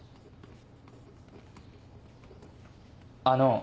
あの。